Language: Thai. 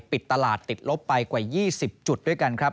ปิดตลาดติดลบไปกว่า๒๐จุดด้วยกันครับ